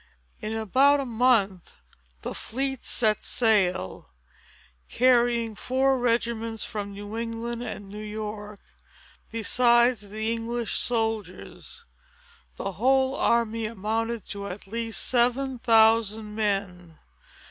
In about a month, the fleet set sail, carrying four regiments from New England and New York, besides the English soldiers. The whole army amounted to at least seven thousand men.